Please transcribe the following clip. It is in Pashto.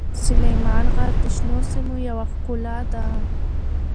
سلیمان غر د شنو سیمو یوه ښکلا ده.